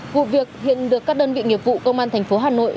vụ việc hiện được các đơn vị nghiệp vụ công an thành phố hà nội